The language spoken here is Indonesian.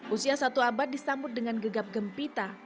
usia satu abad disambut dengan gegap gempita